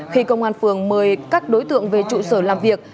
khi công an phường mời các đối tượng về trụ sở làm việc